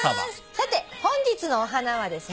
さて本日のお花はですね